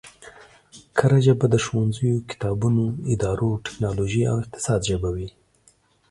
کره ژبه د ښوونځیو، کتابونو، ادارو، ټکنولوژۍ او اقتصاد ژبه وي